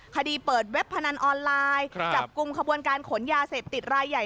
คดีเปิดเว็บพนันออนไลน์จับกลุ่มขบวนการขนยาเสพติดรายใหญ่